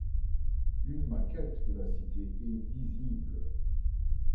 Une maquette de la cité est visible.